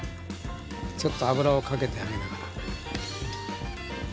ちょっと油をかけてあげながら。